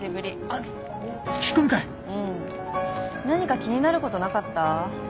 何か気になることなかった？